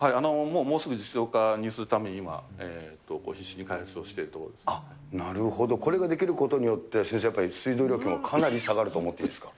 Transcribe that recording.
もうすぐ実用化するために、今、なるほど、これができることによって、先生、やっぱり水道料金もかなり下がると思っていいですか。